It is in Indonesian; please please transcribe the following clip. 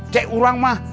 cek orang mah